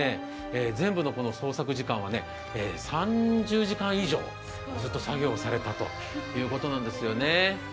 全部の創作時間は３０時間以上ずっと作業されたということなんですよね。